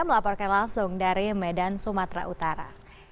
melaporkan langsung dari medan sumatera utara